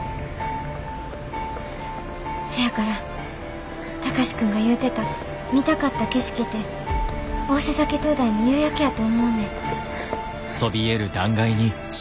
せやから貴司君が言うてた見たかった景色て大瀬埼灯台の夕焼けやと思うねん。